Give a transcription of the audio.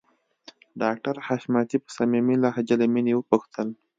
ډاکټر حشمتي په صميمي لهجه له مينې وپوښتل